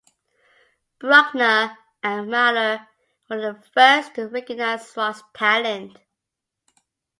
Bruckner and Mahler were the first to recognise Rott's talent.